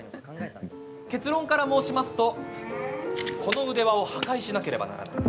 結論から申しますとこの腕輪を破壊しなければならない。